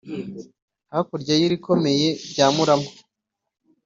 Hakurya y’irikomeye rya Murama,